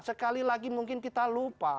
sekali lagi mungkin kita lupa